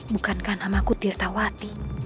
bukankah nama ku tirtawati